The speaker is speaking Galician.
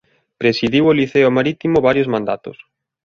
Presidiu o Liceo Marítimo varios mandatos.